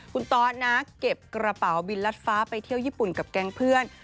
คุณตอสนะเก็บกระเป๋าบินรัดฟ้าไปเที่ยวญี่ปุ่นกับแก๊งเพื่อน